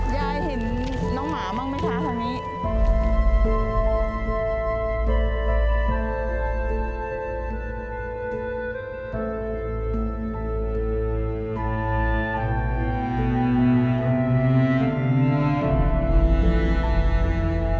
เห็นน้องหมาบ้างไหมคะทางนี้